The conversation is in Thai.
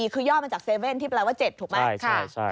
คือยอดมาจาก๗๑๑ที่แปลว่า๗ถูกไหม